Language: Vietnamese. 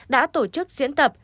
đã tổ chức diễn tập